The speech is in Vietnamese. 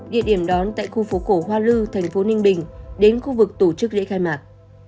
địa điểm đón tại khu phố cổ hoa lư thành phố ninh bình đến khu vực tổ chức lễ khai mạc